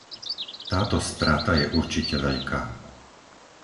Táto strata je určite veľká.